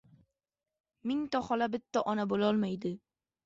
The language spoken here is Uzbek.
• Mingta xola bitta ona bo‘lolmaydi.